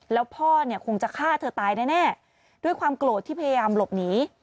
แล้วพ่อเนี่ยคงจะฆ่าเธอตายแน่ด้วยความโกรธที่พยายามหลบหนี